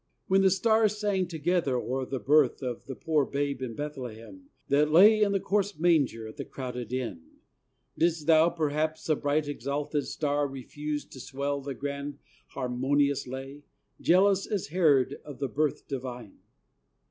When the stars sang together o'er the birth Of the poor Babe at Bethlehem, that lay In the coarse manger at the crowded Inn, Didst thou, perhaps a bright exalted star, Refuse to swell the grand, harmonious lay, Jealous as Herod of the birth divine?